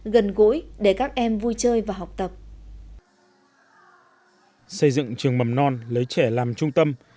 gần gũi để các em vui chơi và học tập xây dựng trường mầm non lấy trẻ làm trung tâm